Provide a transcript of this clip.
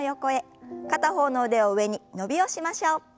片方の腕を上に伸びをしましょう。